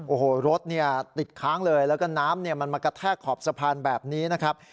โอ้โหรถเนี่ยติดค้างเลยแล้วก็น้ำมันมากระแทกขอบสะพานแบบนี้นะครับ